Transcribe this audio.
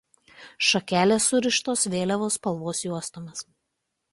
Šakelės surištos vėliavos spalvos juostomis.